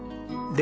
で